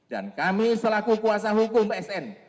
dan kami selaku kuasa hukum sn